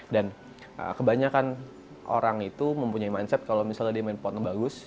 dan kebanyakan orang itu mempunyai mindset kalau misalnya dia main potong bagus